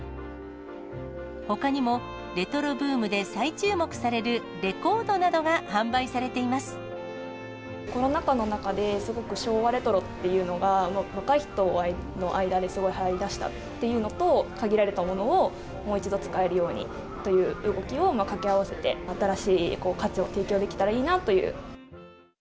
ほかにもレトロブームで再注目されるレコードなどが販売されていコロナ禍の中で、すごく昭和レトロっていうのが、若い人の間ですごいはやりだしたっていうのと、限られたものをもう一度、使えるようにという動きを掛け合わせて、新しい価値を提供できたらいいなっていう。